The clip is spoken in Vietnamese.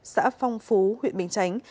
xã phong phú huyện bình chánh